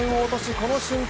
この瞬間